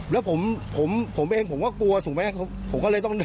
แล้วผมผมเองผมก็กลัวถูกไหม